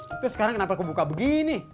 terus sekarang kenapa gue buka begini